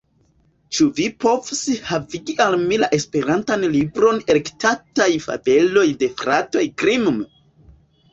Ĉu vi povus havigi al mi la esperantan libron »Elektitaj fabeloj de fratoj Grimm«?